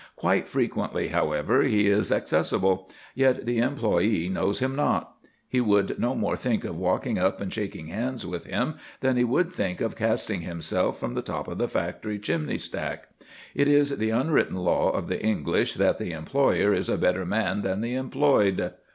Quite frequently, however, he is accessible; yet the employee knows him not. He would no more think of walking up and shaking hands with him than he would think of casting himself from the top of the factory chimney stack. It is the unwritten law of the English that the employer is a better man than the employed.